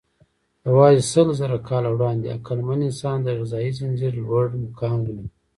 یواځې سلزره کاله وړاندې عقلمن انسان د غذایي ځنځير لوړ مقام ونیو.